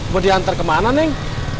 mau diantar kemana neng